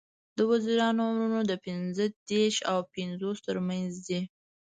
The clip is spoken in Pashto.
د وزیرانو عمرونه د پینځه دیرش او پینځوس تر منځ دي.